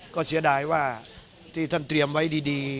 ก็เสียดายว่าที่ท่านเตรียมไว้ดี